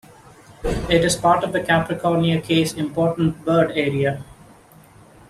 It is part of the Capricornia Cays Important Bird Area.